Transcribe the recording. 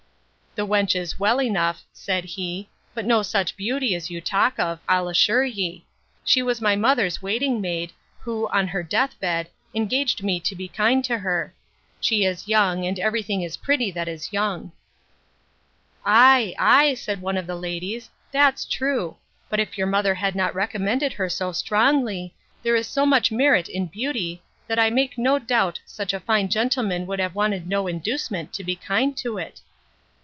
The wench is well enough, said he; but no such beauty as you talk of, I'll assure ye. She was my mother's waiting maid, who, on her death bed, engaged me to be kind to her. She is young, and every thing is pretty that is young. Ay, ay, said one of the ladies, that's true; but if your mother had not recommended her so strongly, there is so much merit in beauty, that I make no doubt such a fine gentleman would have wanted no inducement to be kind to it.